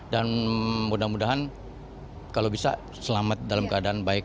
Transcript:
dan mudah mudahan kalau bisa selamat dalam keadaan baik